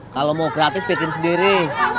kalau mau gratis bikin sendiri